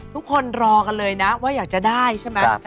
รอกันเลยนะว่าอยากจะได้ใช่ไหม